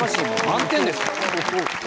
満点です。